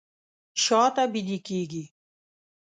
شاته بیده کیږي